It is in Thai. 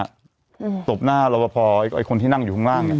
สุดท้ายก็เลยตบหน้าตบหน้าเราพอไอ้คนที่นั่งอยู่ข้างล่างเนี่ย